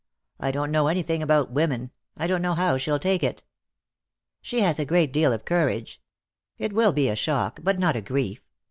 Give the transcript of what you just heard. I don't know anything about women. I don't know how she'll take it." "She has a great deal of courage. It will be a shock, but not a grief.